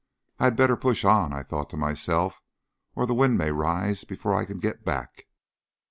"I had better push on," I thought to myself, "or the wind may rise before I can get back."